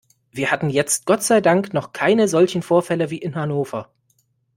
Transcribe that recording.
Wir hatten jetzt Gott sei Dank noch keine solchen Vorfälle wie in Hannover.